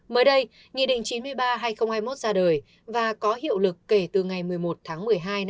mới đây nghị định chín mươi ba hai nghìn hai mươi một ra đời và có hiệu lực kể từ ngày một mươi một tháng một mươi hai